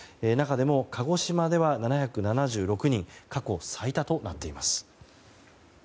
中でも鹿児島では７７６人と過去最多となっています。